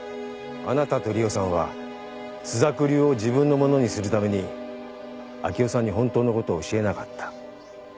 あなたと里緒さんは朱雀流を自分のものにするために明生さんに本当のことを教えなかった。